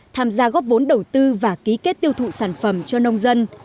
tham gia góp vốn đầu tư và ký kết tiêu thụ sản phẩm cho nông dân